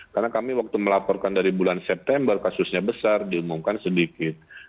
karena kami waktu melaporkan dari bulan september kasusnya besar diumumkan sedikit